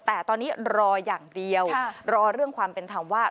แต่ตอนนี้รออย่างเดียวรอเรื่องความเป็นธรรมว่า